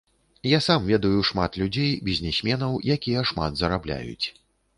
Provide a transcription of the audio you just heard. Я сам ведаю шмат людзей, бізнесменаў, якія шмат зарабляюць.